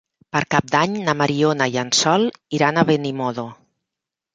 Per Cap d'Any na Mariona i en Sol iran a Benimodo.